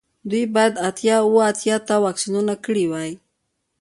دوی باید اتیا اوه اتیا ته واکسینونه کړي وای